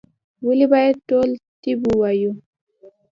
ولي باید ټول طب ووایو؟